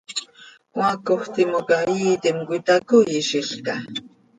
¿Cmaacoj timoca iiitim cöitacoiizilca?